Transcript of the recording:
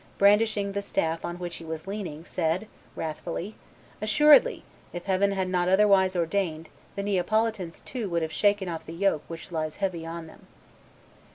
brandishing the staff on which he was leaning, said, wrathfully, "Assuredly, if Heaven had not otherwise ordained, the Neapolitans too would have shaken off the yoke which lies heavy on them."